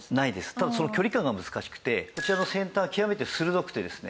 ただその距離感が難しくてこちらの先端は極めて鋭くて。